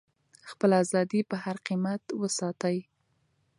خپله ازادي په هر قیمت وساتئ.